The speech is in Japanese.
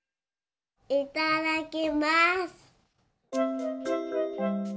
いただきます。